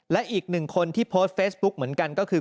และอีกหนึ่งคนที่โพสต์เฟซบุ๊กเหมือนกันก็คือ